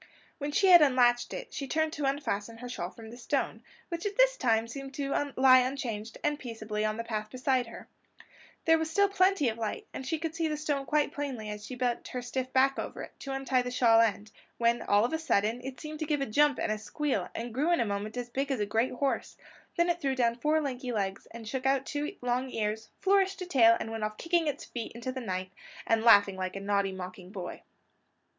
When she had unlatched it, she turned to unfasten her shawl from the stone, which this time seemed to lie unchanged and peaceably on the path beside her, There was still plenty of light, and she could see the stone quite plainly as she bent her stiff back over it, to untie the shawl end; when, all of a sudden, it seemed to give a jump and a squeal, and grew in a moment as big as a great horse; then it threw down four lanky legs, and shook out two long ears, flourished a tail, and went off kicking its feet into the and laughing like a naughty mocking boy.